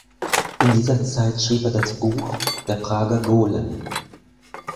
In dieser Zeit schrieb er das Buch "Der Prager Golem".